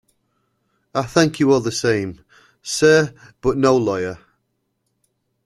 I thank you all the same, sir, but — no lawyer!